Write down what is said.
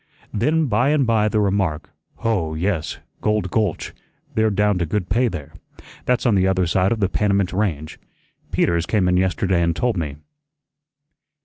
Then by and by the remark, "Hoh, yes, Gold Gulch, they're down to good pay there. That's on the other side of the Panamint Range. Peters came in yesterday and told me."